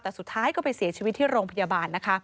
แต่สุดท้ายก็ไปเสียชีวิตที่โรงพยาบาลนะคะ